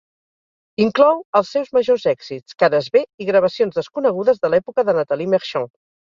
Inclou els seus majors èxits, cares B i gravacions desconegudes de l'època de Natalie Merchant.